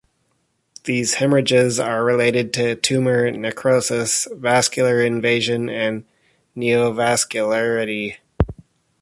These hemorrhages are related to tumor necrosis, vascular invasion and neovascularity.